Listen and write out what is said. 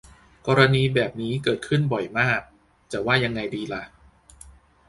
กรณีแบบนี้เกิดขึ้นบ่อยมาก จะว่ายังไงดีหล่ะ